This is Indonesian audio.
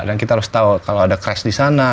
dan kita harus tau kalau ada crash di sana